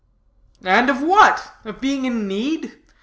"And of what? Of being in need?